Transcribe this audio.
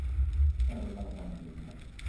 তারা ওর বাবার কারণে ওকে বেছে নিয়েছে।